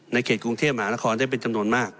เขตกรุงเทพมหานครได้เป็นจำนวนมาก